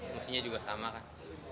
musuhnya juga sama kan